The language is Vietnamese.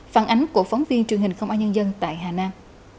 phản ánh của phóng viên truyền hình công an nhân dân tại hà nam